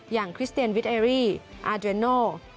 อย่างคริสเตียนวิทเอรี่อาร์เดรนโน่